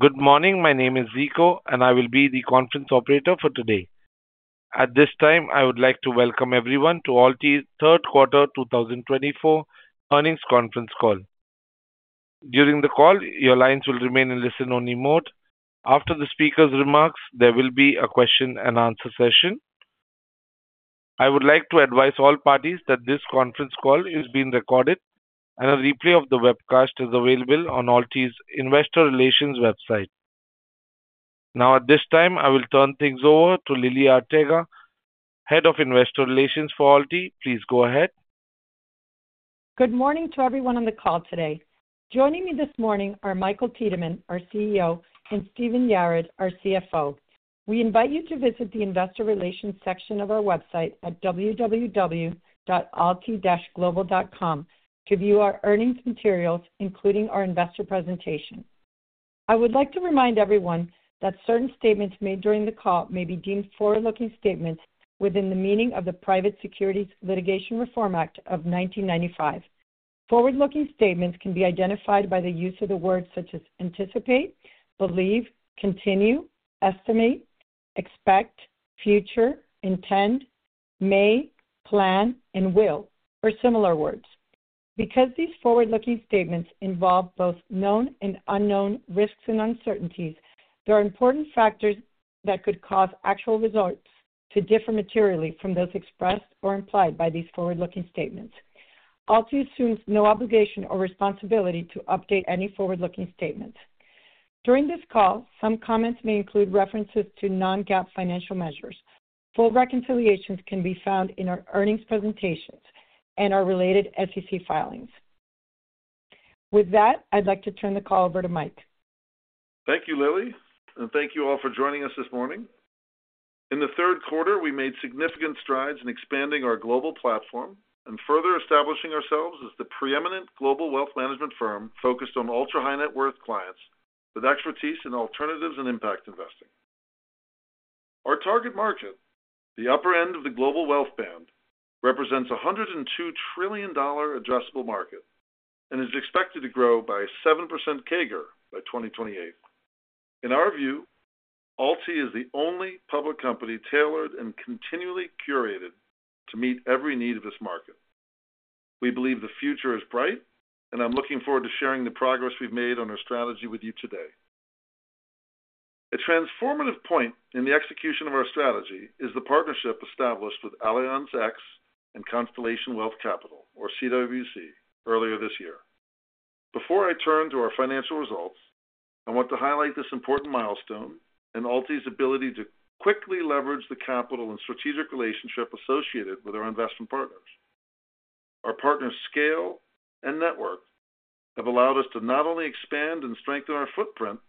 Good morning. My name is Zico and I will be the conference operator for today. At this time I would like to welcome everyone to AlTi's third quarter 2024 earnings conference call. During the call your lines will remain in listen only mode. After the speaker's remarks there will be a question and answer session. I would like to advise all parties that this conference call is being recorded and a replay of the webcast is available on AlTi's investor relations website. Now at this time I will turn things over to Lily Arteaga, Head of Investor Relations for AlTi. Please go ahead. Good morning to everyone. On the call today. Joining me this morning are Michael Tiedemann, our CEO, and Stephen Yarad, our CFO. We invite you to visit the Investor Relations section of our website at www.alti.global to view our earnings materials including our investor presentation. I would like to remind everyone that certain statements made during the call may be deemed forward looking statements within the meaning of the Private Securities Litigation Reform Act of 1995. Forward looking statements can be identified by the use of the words such as anticipate, believe, continue, estimate, expectations, future, intend, may, plan and will or similar words. Because these forward looking statements involve both known and unknown risks and uncertainties, there are important factors that could cause actual results to differ materially from those expressed or implied by these forward looking statements. AlTi assumes no obligation or responsibility to update any forward looking statements during this call. Some comments may include references to non-GAAP financial measures. Full reconciliations can be found in our earnings presentations and our related SEC filings. With that, I'd like to turn the call over to Michael. Thank you Lily and thank you all for joining us this morning. In the third quarter we made significant strides in expanding our global platform and further establishing ourselves as the preeminent global wealth management firm focused on ultra high net worth clients with expertise in alternatives and impact investing. Our target market, the upper end of the global wealth band, represents $102 trillion addressable market and is expected to grow by 7% CAGR by 2028. In our view, AlTi is the only public company tailored and continually curated to meet every need of this market. We believe the future is bright and I'm looking forward to sharing the progress we've made on our strategy with you today. A transformative point in the execution of our strategy is the partnership established with Allianz and Constellation Wealth Capital or CWC earlier this year. Before I turn to our financial results, I want to highlight this important milestone and AlTi's ability to quickly leverage the capital and strategic relationship associated with our investment partners. Our partners' scale and network have allowed us to not only expand and strengthen our footprint,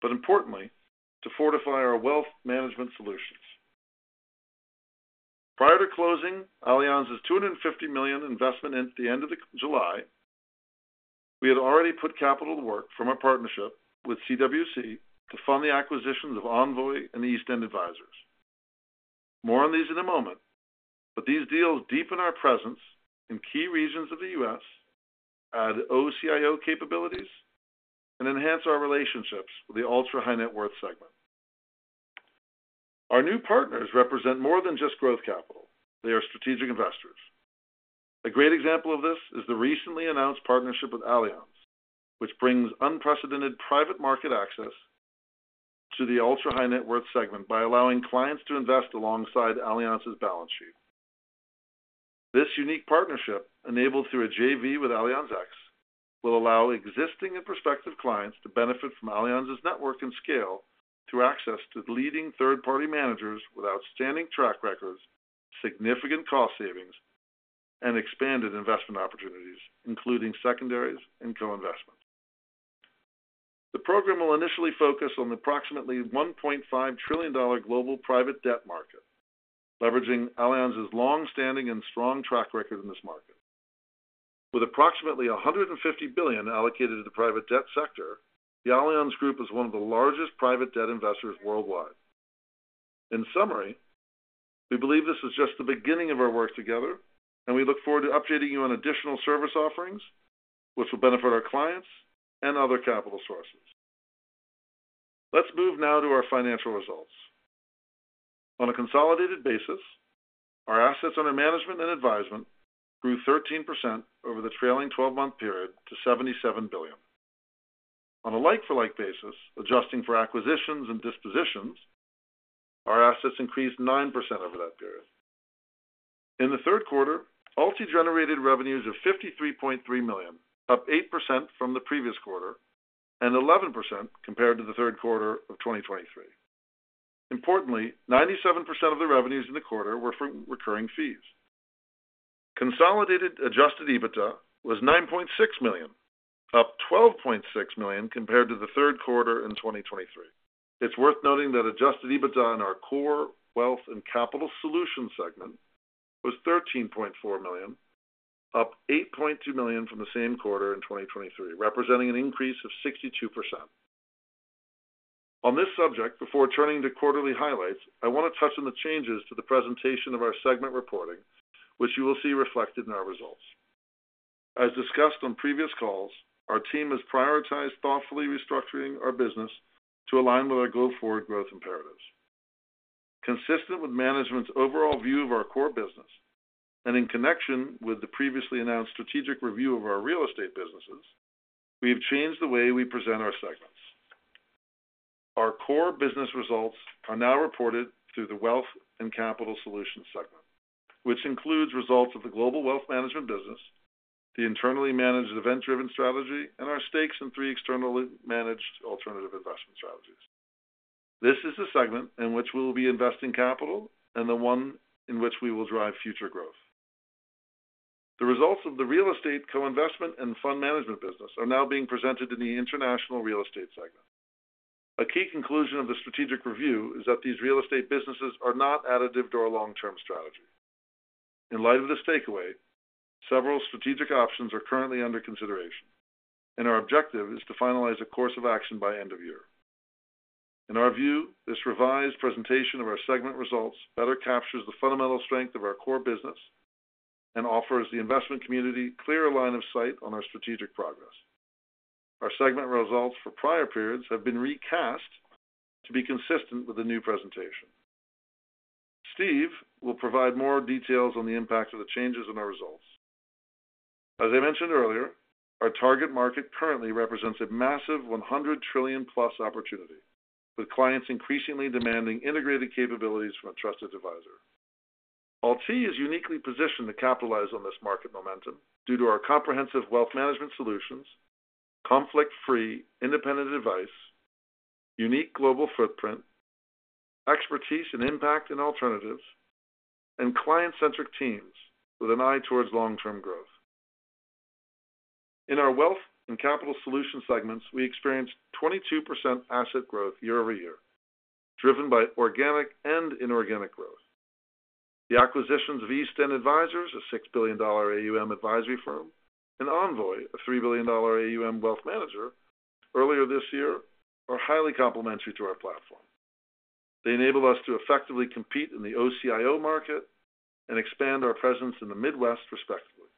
but importantly to fortify our wealth management solutions. Prior to closing Allianz's $250 million investment at the end of July, we had already put capital to work from our partnership with CWC to fund the acquisitions of Envoi and East End Advisors. More on these in a moment, but these deals deepen our presence in key regions of the U.S., add OCIO capabilities and enhance our relationships with the ultra high net worth segment. Our new partners represent more than just growth capital, they are strategic investors. A great example of this is the recently announced partnership with Allianz which brings unprecedented private market access to the ultra high net worth segment by allowing clients to invest alongside Allianz's balance sheet. This unique partnership, enabled through a JV with Allianz X, will allow existing and prospective clients to benefit from Allianz's network and scale through access to leading third party managers with outstanding track records, significant cost savings and expanded investment opportunities including secondaries and co-investments. The program will initially focus on the approximately $1.5 trillion global private debt market, leveraging Allianz's long standing and strong track record in this market. With approximately $150 billion allocated to the private debt sector, the Allianz Group is one of the largest private debt investors worldwide. In summary, we believe this is just the beginning of our work together and we look forward to updating you on additional service offerings which will benefit our clients and other capital sources. Let's move now to our financial results. On a consolidated basis, our assets under management and advisement grew 13% over the trailing 12 month period to $77 billion on a like for like basis. Adjusting for acquisitions and dispositions, our assets increased 9% over that period. In the third quarter, AlTi generated revenues of $53.3 million, up 8% from the previous quarter and 11% compared to the third quarter of 2023. Importantly, 97% of the revenues in the quarter were from recurring fees. Consolidated Adjusted EBITDA was $9.6 million, up $12.6 million compared to the third quarter in 2023. It's worth noting that adjusted EBITDA in our core Wealth and Capital Solutions segment was $13.4 million, up $8.2 million from the same quarter in 2023, representing an increase of 62% on this segment. Before turning to quarterly highlights, I want to touch on the changes to the presentation of our segment reporting which you will see reflected in our results. As discussed on previous calls, our team has prioritized thoughtfully restructuring our business to align with our go forward growth imperatives. Consistent with management's overall view of our core business and in connection with the previously announced strategic review of our real estate businesses, we have changed the way we present our segments. Our core business results are now reported through the Wealth and Capital Solutions segment, which includes results of the global wealth management business, the internally managed event-driven strategy, and our stakes in three externally managed alternative investment strategies. This is the segment in which we will be investing capital and the one in which we will drive future growth. The results of the real estate Co-Investment and fund management business are now being presented in the International Real Estate segment. A key conclusion of the strategic review is that these real estate businesses are not additive to our long-term strategy. In light of this takeaway, several strategic options are currently under consideration, and our objective is to finalize a course of action by end of year. In our view, this revised presentation of our segment results better captures the fundamental strength of our core business and offers the investment community clearer line of sight on our strategic progress. Our segment results for prior periods have been recast to be consistent with the new presentation. Steve will provide more details on the impact of the changes in our results. As I mentioned earlier, our target market currently represents a massive $100 trillion + opportunity with clients increasingly demanding integrated capabilities from a trusted advisor. AlTi is uniquely positioned to capitalize on this market momentum due to our comprehensive wealth management solutions, conflict-free independent advice, unique global footprint, expertise in impact and alternatives and client-centric teams with an eye towards long-term growth in our Wealth and Capital Solutions segments. We experienced 22% asset growth year-over-year driven by organic and inorganic growth. The acquisitions of East End Advisors, a $6 billion AUM advisory firm, and Envoi, a $3 billion AUM wealth manager earlier this year are highly complementary to our platform. They enable us to effectively compete in the OCIO market and expand our presence in the Midwest respectively.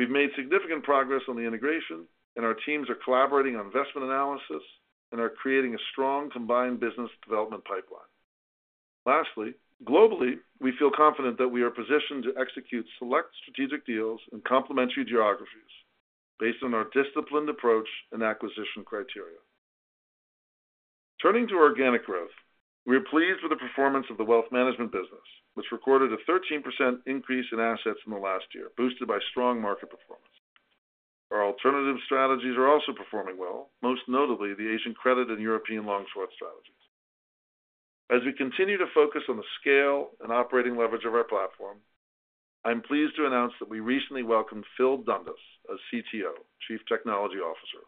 We've made significant progress on the integration and our teams are collaborating on investment analysis and are creating a strong combined business development pipeline. Lastly, globally we feel confident that we are positioned to execute select strategic deals in complementary geographies based on our disciplined approach and acquisition criteria. Turning to organic growth, we are pleased with the performance of the wealth management business which recorded a 13% increase in assets in the last year boosted by strong market performance. Our alternative strategies are also performing well, most notably the Asian Credit and European Long/Short strategies. As we continue to focus on the scale and operating leverage of our platform, I am pleased to announce that we recently welcomed Phil Dundas as CTO, Chief Technology Officer.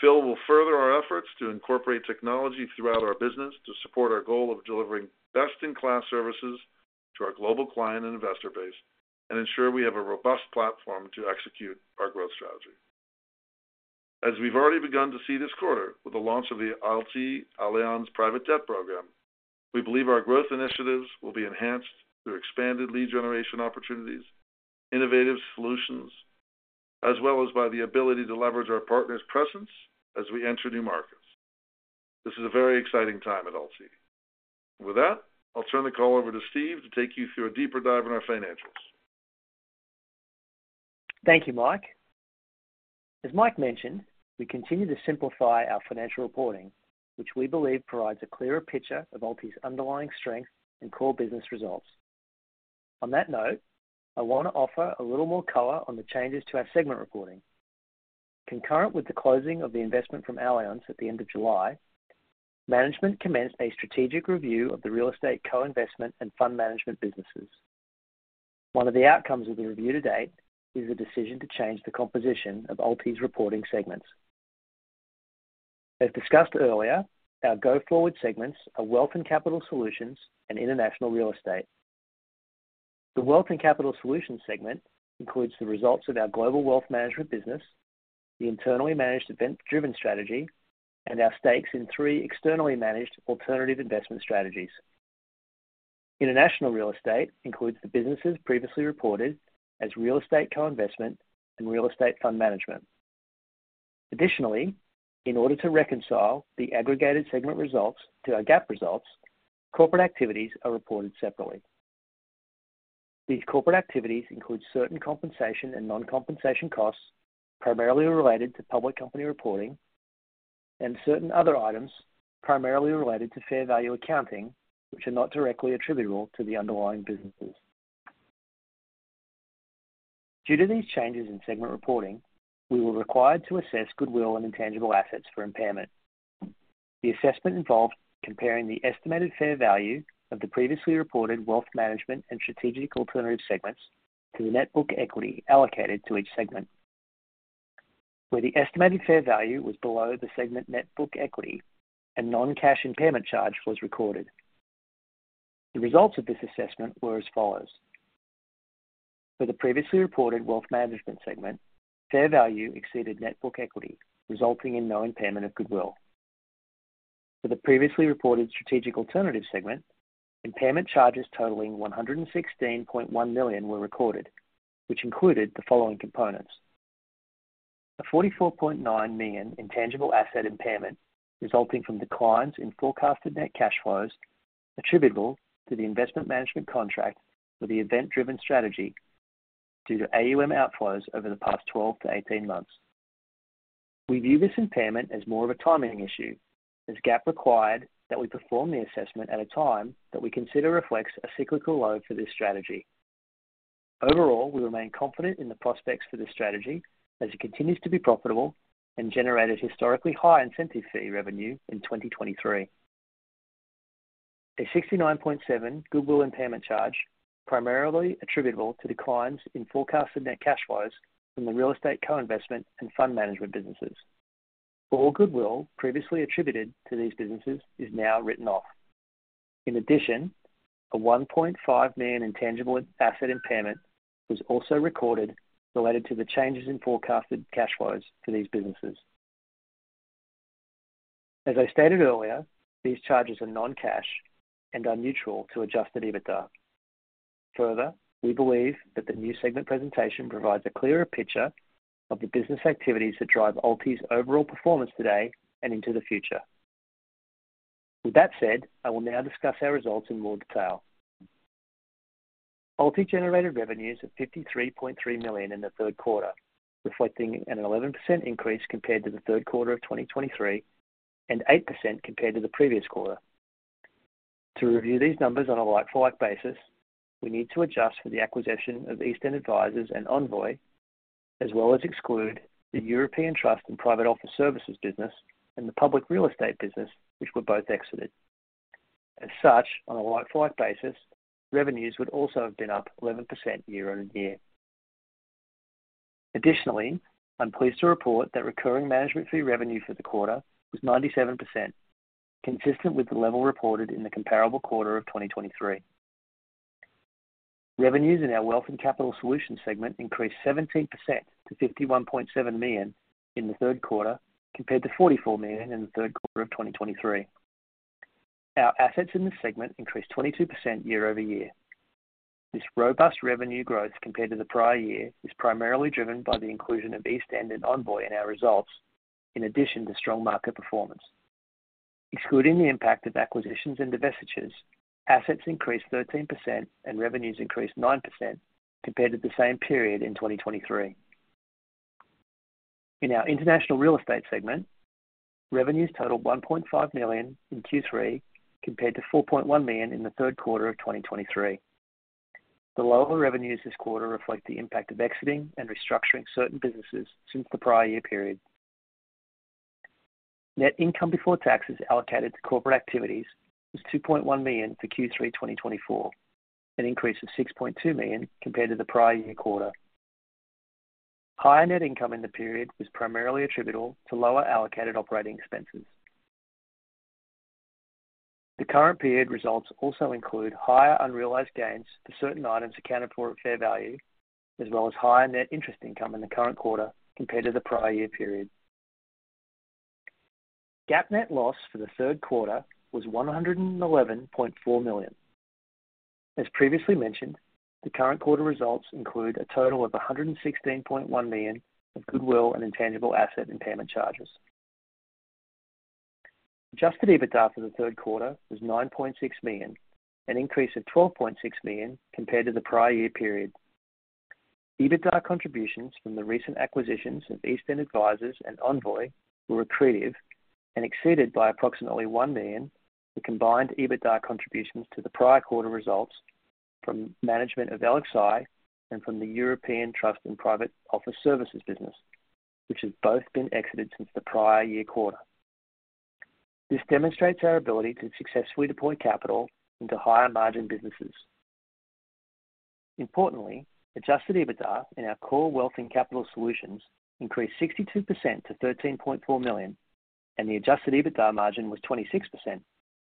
Phil will further our efforts to incorporate technology throughout our business to support our goal of delivering best in class services to our global client and investor base and ensure we have a robust platform to execute our growth strategy. As we've already begun to see this quarter with the launch of the AlTi Allianz Private Debt Program, we believe our growth initiatives will be enhanced through expanded lead generation opportunities, innovative solutions as well as by the ability to leverage our partner's presence as we enter new markets. This is a very exciting time at AlTi. With that, I'll turn the call over to Steve to take you through a deeper dive in our financials. Thank you Michael. As Michael mentioned, we continue to simplify our financial reporting which we believe provides a clearer picture of AlTi's underlying strength and core business results. On that note, I want to offer a little more color on the changes to our segment reporting. Concurrent with the closing of the investment from Allianz at the end of July, management commenced a strategic review of the Real Estate Co-Investment and fund management businesses. One of the outcomes of the review to date is the decision to change the composition of AlTi's reporting segments. As discussed earlier, our go-forward segments are Wealth and Capital Solutions and International Real Estate. The Wealth and Capital Solutions segment includes the results of our Global Wealth Management business, the internally managed event-driven strategy and our stakes in three externally managed alternative investment strategies. International Real Estate includes the businesses previously reported as Real Estate Co-Investment and Real Estate Fund Management. Additionally, in order to reconcile the aggregated segment results to our GAAP results, corporate activities are reported separately. These corporate activities include certain compensation and non compensation costs primarily related to public company reporting and certain other items primarily related to fair value accounting which are not directly attributable to the underlying businesses. Due to these changes in segment reporting, we were required to assess goodwill and intangible assets for impairment. The assessment involved comparing the estimated fair value of the previously reported wealth management and Strategic Alternatives segments to the net book equity allocated to each segment. Where the estimated fair value was below the segment net book equity, a non cash impairment charge was recorded. The results of this assessment were as follows for the previously reported Wealth Management segment: fair value exceeded net book equity, resulting in no impairment of goodwill. For the previously reported Strategic Alternatives segment, impairment charges totaling $116.1 million were recorded, which included the following: a $44.9 million intangible asset impairment resulting from declines in forecasted net cash flows attributable to the investment management contract with the event-driven strategy due to AUM outflows over the past 12-18 months. We view this impairment as more of a timing issue as GAAP required that we perform the assessment at a time that we consider reflects a cyclical low for this strategy. Overall, we remain confident in the prospects for this strategy as it continues to be profitable and generated historically high incentive fee revenue in 2023. A $69.7 million goodwill impairment charge primarily attributable to declines in forecasted net cash flows from the Real Estate Co-Investment and fund management businesses. All goodwill previously attributed to these businesses is now written off. In addition, a $1.5 million intangible asset impairment was also recorded related to the changes in forecasted cash flows for these businesses. As I stated earlier, these charges are noncash and are neutral to Adjusted EBITDA. Further, we believe that the new segment presentation provides a clearer picture of the business activities that drive AlTi's overall performance today and into the future. With that said, I will now discuss our results in more detail. AlTi generated revenues at $53.3 million in the third quarter, reflecting an 11% increase compared to the third quarter of 2023 and 8% compared to the previous quarter. To review these numbers on a like-for-like basis, we need to adjust for the acquisition of East End Advisors and Envoi, as well as exclude the European Trust and Private Office Services business and the public real estate business which were both exited. As such, on a like-for-like basis, revenues would also have been up 11% year-over-year. Additionally, I'm pleased to report that recurring management fee revenue for the quarter was 97%, consistent with the level reported in the comparable quarter of 2023. Revenues in our Wealth and Capital Solutions segment increased 17% to $51.7 million in the third quarter compared to $44 million in the third quarter of 2023. Our assets in this segment increased 22% year-over-year. This robust revenue growth compared to the prior year is primarily driven by the inclusion of East End and Envoi in our results. In addition to strong market performance excluding the impact of acquisitions and divestitures, assets increased 13% and revenues increased 9% compared to the same period in 2023. In our International Real Estate segment, revenues totaled $1.5 million in Q3 compared to $4.1 million in the third quarter of 2023. The lower revenues this quarter reflect the impact of exiting and restructuring certain businesses since the prior year period. Net income before taxes allocated to corporate activities was $2.1 million for Q3 2024, an increase of $6.2 million compared to the prior year quarter. Higher net income in the period was primarily attributable to lower allocated operating expenses. The current period results also include higher unrealized gains for certain items accounted for at fair value as well as higher net interest income in the current quarter compared to the prior year period. GAAP net loss for the third quarter was $111.4 million. As previously mentioned, the current quarter results include a total of $116.1 million of goodwill and intangible asset impairment charges. Adjusted EBITDA for the third quarter was $9.6 million, an increase of $12.6 million compared to the prior year period. EBITDA contributions from the recent acquisitions of East End Advisors and Envoi were accretive and exceeded by approximately $1 million. The combined EBITDA contributions to the prior quarter results from management of LXi and from the European Trust and Private Office Services business which has both been exited since the prior year quarter. This demonstrates our ability to successfully deploy capital into higher margin businesses. Importantly, adjusted EBITDA in our core Wealth and Capital Solutions increased 62% to $13.4 million and the adjusted EBITDA margin was 26%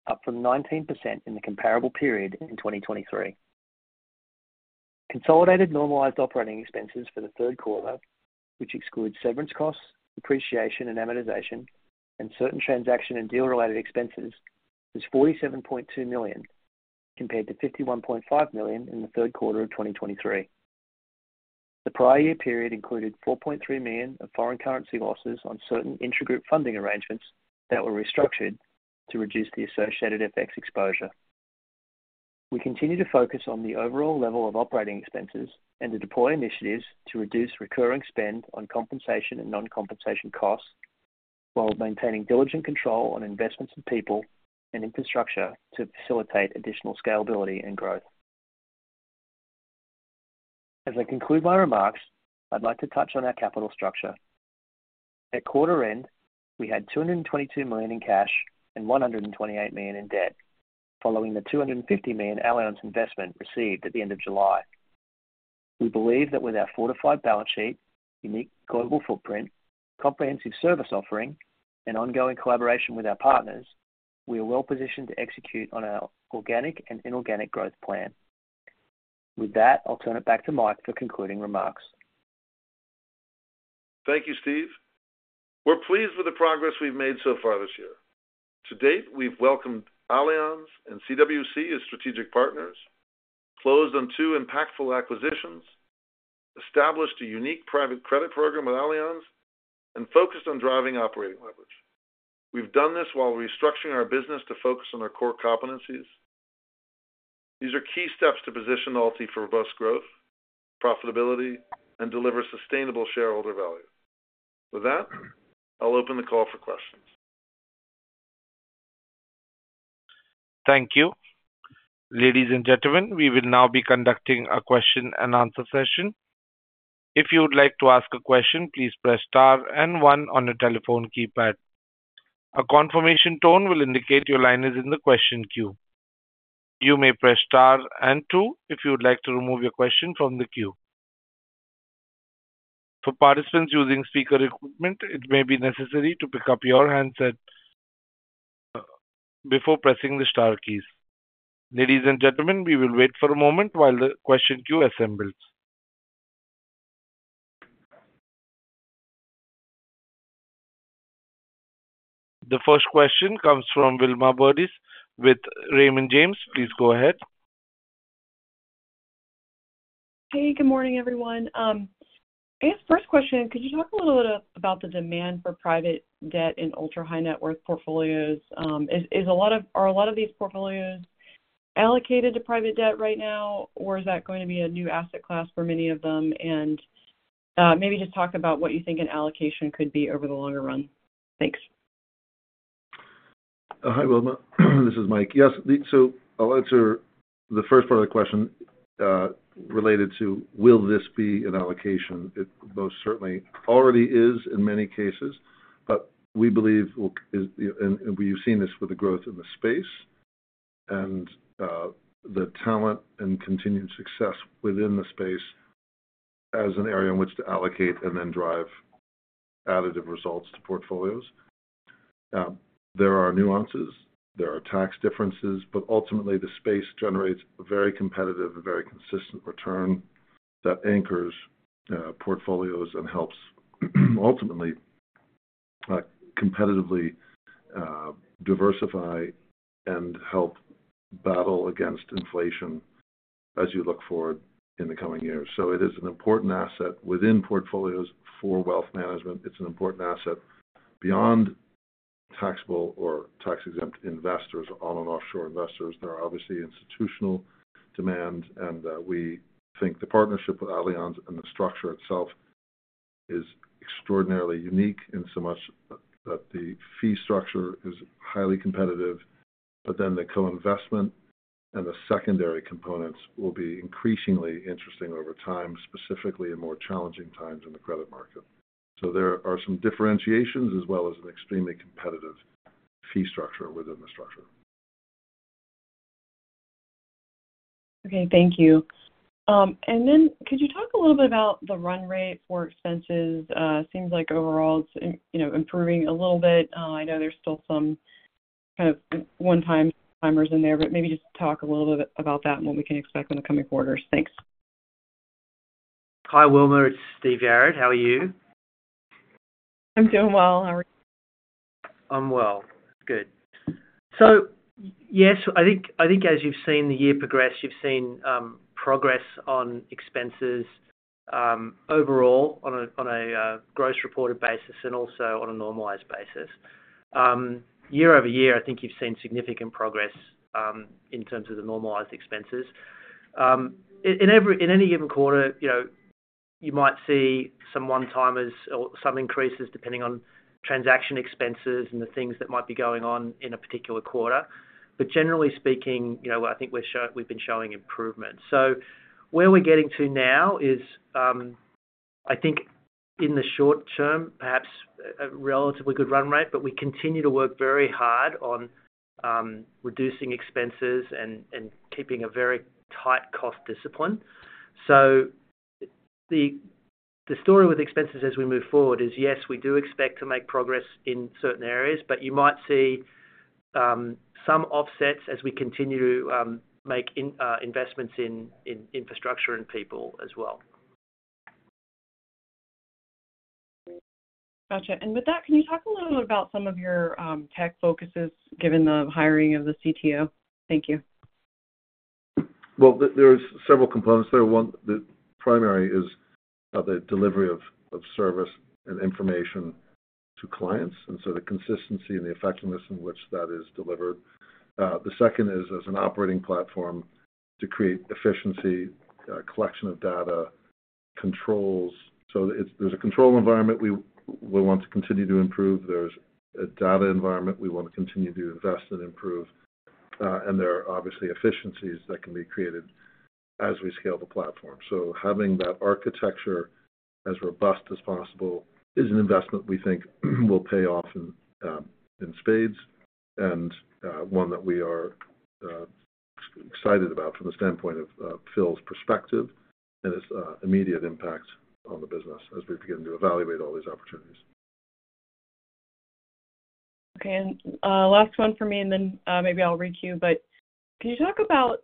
up from 19% in the comparable period in 2023. Consolidated normalized operating expenses for the third quarter, which excludes severance costs, depreciation and amortization and certain transaction and deal-related expenses, is $47.2 million compared to $51.5 million in the third quarter of 2023. The prior year period included $4.3 million of foreign currency losses on certain intra-group funding arrangements that were restructured to reduce the associated FX exposure. We continue to focus on the overall level of operating expenses and to deploy initiatives to reduce recurring spend on compensation and non-compensation costs while maintaining diligent control on investments and people and infrastructure to facilitate additional scalability and growth. As I conclude my remarks, I'd like to touch on our capital structure. At quarter-end we had $222 million in cash and $128 million in debt following the $250 million Allianz investment received at the end of July. We believe that with our fortified balance sheet, unique global footprint, comprehensive service offering and ongoing collaboration with our partners, we are well positioned to execute on our organic and inorganic growth plan. With that, I'll turn it back to Michael for concluding remarks. Thank you Steve. We're pleased with the progress we've made so far this year. To date we've welcomed Allianz and CWC as strategic partners, closed on two impactful acquisitions, established a unique private credit program with Allianz focused on driving operating leverage. We've done this while restructuring our business to focus on our core competencies. These are key steps to position AlTi for robust growth, profitability and deliver sustainable shareholder value. With that, I'll open the call for questions. Thank you. Ladies and gentlemen, we will now be conducting a question and answer session. If you would like to ask a question, please press star and one on the telephone keypad. A confirmation tone will indicate your line is in the question queue. You may press Star and two if you would like to remove your question from the queue. For participants using speaker equipment, it may be necessary to pick up your handset before pressing the star keys. Ladies and gentlemen, we will wait for a moment while the question queue assembles. The first question comes from Wilma Burdis with Raymond James. Please go ahead. Hey, good morning everyone. First question, could you talk a little bit about the demand for private debt in ultra high net worth portfolios? Is a lot of these portfolios allocated to private debt right now or is that going to be a new asset class for many of them? And maybe just talk about what you think an allocation could be over the longer run? Thanks. Hi Wilma, this is Michael. Yes, so I'll answer the first part. Of the question related to will this be an allocation? It most certainly already is in many cases. But we believe we've seen this with the growth in the space and the talent and continued success within the space as an area in which to allocate and then drive additive results to portfolios. There are nuances, there are tax differences, but ultimately the space generates a very competitive, very consistent return that anchors portfolios and helps ultimately competitively diversify and help battle against inflation as you look forward in the coming years. So it is an important asset within portfolios for wealth management. It's an important asset beyond taxable or tax-exempt investors, onshore and offshore investors. There are obviously institutional demand and we think the partnership with Allianz and the structure itself is extraordinarily unique in that the fee structure is highly competitive. But then the co-investment and the secondary components will be increasingly interesting over time, specifically in more challenging times in the credit market. There are some differentiations as well. As an extremely competitive fee structure within the structure. Okay, thank you. And then could you talk a little bit about the run rate for expenses? Seems like overall improving a little bit. I know there's still some kind of one-timers in there, but maybe just talk a little bit about that and what we can expect in the coming quarters. Thanks. Hi Wilma, it's Steve Yarid. How are you? I'm doing well, how are you? I'm well. Good. So yes, I think as you've seen. This year progress, you've seen progress on expenses overall on a gross reported basis and also on a normalized basis year-over-year. I think you've seen significant progress in terms of the normalized expenses in any given quarter. You might see some one-timers or some increases depending on transaction expenses and the things that might be going on. In a particular quarter. But generally speaking I think we've been showing improvement. So where we're getting to now is I think in the short term perhaps relatively good run rate. But we continue to work very hard on reducing expenses and keeping a very tight cost discipline. So the story with expenses as we move forward is yes, we do expect. To make progress in certain areas, but you might see some offsets as we continue to make investments in infrastructure and people as well. Gotcha. And with that, can you talk a little bit about some of your tech focuses given the hiring of the CTO? Thank you. There's several components there. One, the primary is the delivery of service and information to clients and so the consistency and the effectiveness in which that is delivered. The second is as an operating platform to create efficiency collection of data controls. So there's a control environment we want to continue to improve. There's a data environment we want to continue to invest and improve. And there are obviously efficiencies that can be created as we scale the platform. So having that architecture as robust as. Possible is an investment we think will. Pay off in spades and one that we are excited about from the standpoint of Phil's perspective and its immediate impact on the business as we begin to evaluate all these opportunities. Okay, and last one for me and then maybe I'll requeue but can you talk about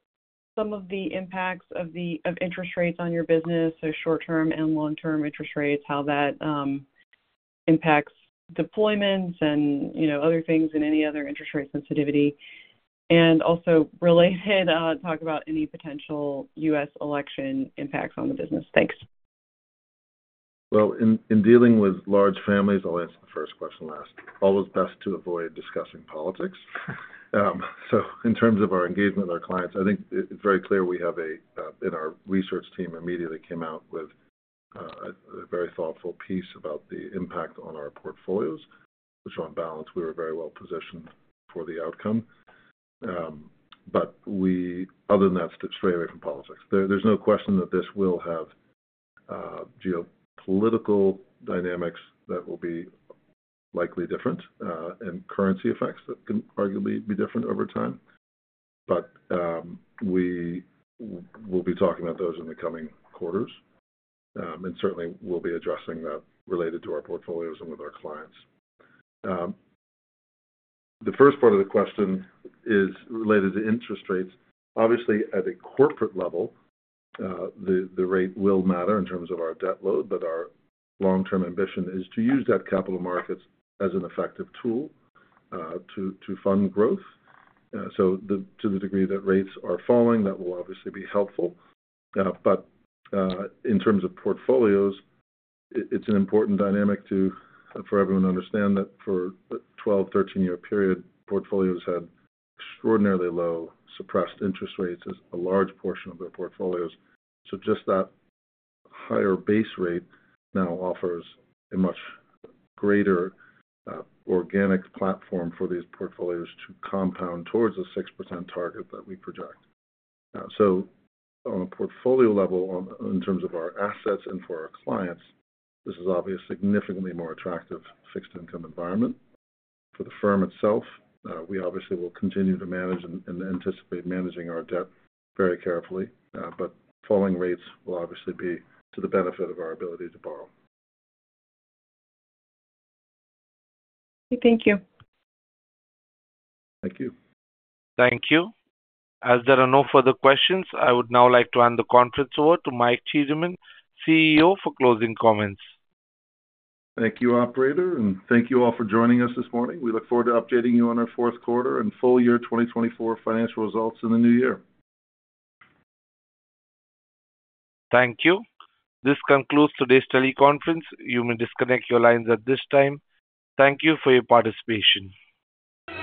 some of the impacts of the interest rates on your business? So short term and long term interest rates, how that impacts deployments and you know, other things. Any other interest rate sensitivity and also related talk about any potential U.S. election impacts on the business. Thanks. In dealing with large families I'll. Answer the first question last. always best to avoid discussing politics. So in terms of our engagement with our clients, I think it's very clear our research team immediately came out with a very thoughtful piece about the impact on our portfolios, which on balance, we were very well positioned for the outcome. But we, other than that, stray away from politics. There's no question that this will have geopolitical dynamics that will be likely different and currency effects that can arguably be different over time. But we, we'll be talking about those in the coming quarters and certainly we'll be addressing that related to our portfolios. With our clients. The first part of the question is. Related to interest rates. Obviously at a corporate level, the rate will matter in terms of our debt load, but our long term ambition is to use debt capital markets as an effective tool to fund growth. So to the degree that rates are. Falling, that will obviously be helpful. In terms of portfolios, it's an important dynamic for everyone to understand that for a 12-13-year period, portfolios had extraordinarily low suppressed interest rates as a large portion of their portfolios. Just that higher base rate now offers a much greater organic platform for these portfolios to compound towards the 6% target that we project. On a portfolio level, in terms. Of our assets and for our clients. This is obviously a significantly more attractive fixed income environment for the firm itself. We obviously will continue to manage and anticipate managing our debt very carefully, but falling rates will obviously be to the benefit of our ability to borrow. Thank you. Thank you. Thank you. As there are no further questions, I would now like to hand the conference over to Michael Tiedemann, CEO for closing comments. Thank you, operator. And thank you all for joining us this morning. We look forward to updating you on our fourth quarter and full year 2024 financial results in the new year. Thank you. This concludes today's teleconference. You may disconnect your lines at this time. Thank you for your participation.